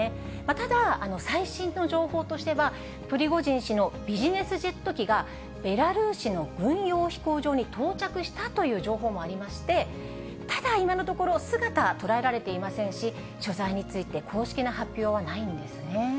ただ、最新の情報としては、プリゴジン氏のビジネスジェット機がベラルーシの軍用飛行場に到着したという情報もありまして、ただ、今のところ姿、捉えられていませんし、所在について公式な発表はないんですね。